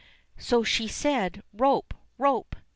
So she said, "Rope ! rope